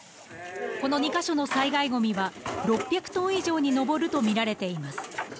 この２ヶ所の災害ゴミは６００トン以上に上るとみられています。